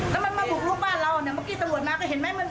แล้วมันมาบุกลุกบ้านเราเนี่ยเมื่อกี้ตำรวจมาก็เห็นไหม